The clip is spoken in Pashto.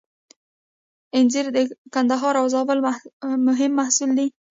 انځر د کندهار او زابل مهم محصول دی.